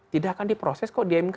tidak akan diproses kok di mk